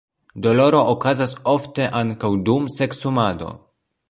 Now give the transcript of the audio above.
Doloro okazas ofte ankaŭ dum seksumado.